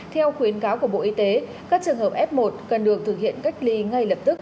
theo khuyến cáo của bộ y tế các trường hợp f một cần được thực hiện cách ly ngay lập tức